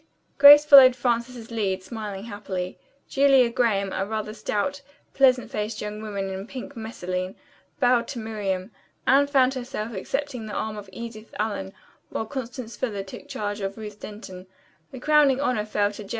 Grace followed Frances's lead, smiling happily. Julia Graham, a rather stout, pleasant faced young woman in pink messaline, bowed to Miriam. Anne found herself accepting the arm of Edith Allen, while Constance Fuller took charge of Ruth Denton. The crowning honor fell to J.